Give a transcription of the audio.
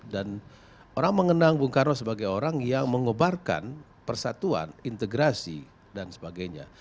dan orang mengenang bung karo sebagai orang yang mengobarkan persatuan integrasi dan sebagainya